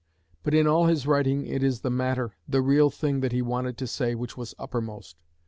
But in all his writing it is the matter, the real thing that he wanted to say, which was uppermost.